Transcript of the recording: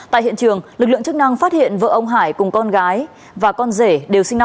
tại hiện trường lực lượng chức năng phát hiện vợ ông hải cùng con gái và con rể đều sinh năm một nghìn chín trăm sáu mươi sáu